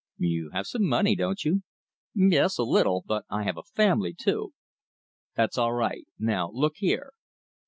"You have some money, haven't you?" "Yes; a little. But I have a family, too." "That's all right. Now look here."